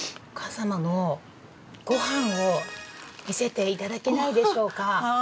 お母様のご飯を見せていただけないでしょうか？